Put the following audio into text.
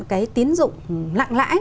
cái tín dụng lạng lãi